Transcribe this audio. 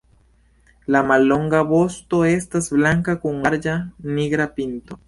La mallonga vosto estas blanka kun larĝa nigra pinto.